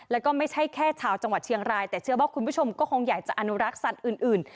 แล้วก็ไม่ใช่แค่ชาวจังหวัดเชียงรายแต่เชื่อว่าคุณผู้ชมก็คงอยากจะอนุรักษ์สัตว์อื่น